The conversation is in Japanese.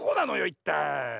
いったい。